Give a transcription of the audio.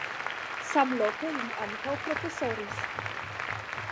Samloke li ankaŭ profesoris.